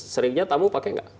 seringnya tamu pakai nggak